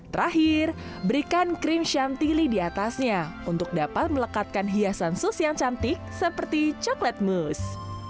terakhir berikan krim shantilee di atasnya untuk dapat melekatkan hiasan sus yang cantik seperti coklat mus